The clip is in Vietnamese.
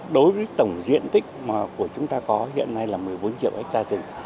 đối với tổng diện tích mà của chúng ta có hiện nay là một mươi bốn triệu hectare rừng